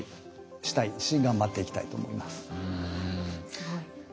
すごい。